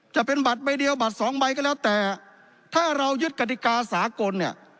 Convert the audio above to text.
จะเป็นบัตรใบเดียวบัตรสองใบก็แล้วแต่ถ้าเรายึดกฎิกาสากลเนี่ย